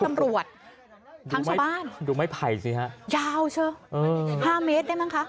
ธรรมรวชทักชาวบ้านดูไม่ไผ่สิฮะยาวเชอะเอิร์นห้ามเมตรแป่งกระ